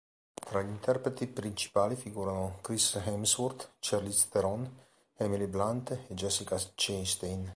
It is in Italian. Tra gli interpreti principali figurano Chris Hemsworth, Charlize Theron, Emily Blunt e Jessica Chastain.